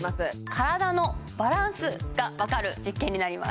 体のバランスがわかる実験になります